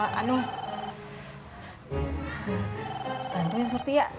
bantuin surti ya